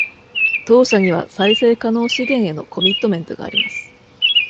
当社には再生可能資源へのコミットメントがあります。